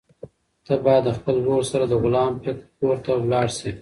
ته باید د خپل ورور سره د غلام کور ته لاړ شې.